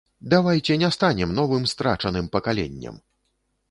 Давайце не станем новым страчаным пакаленнем!